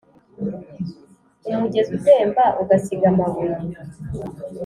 -Umugezi utemba ugasiga amabuye.